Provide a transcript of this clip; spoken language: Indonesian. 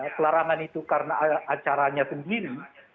pelarangan itu karena acaranya sendiri